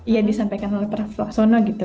yang disampaikan oleh prof sonno gitu